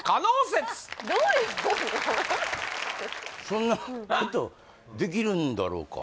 そんなことできるんだろうか？